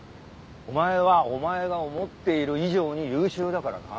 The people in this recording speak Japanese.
お前はお前が思っている以上に優秀だからな。